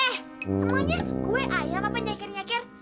eh namanya gue ayam apa nyeker nyeker